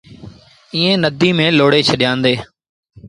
ائيٚݩ نديٚ ميݩ لوڙي ڇڏيآندي۔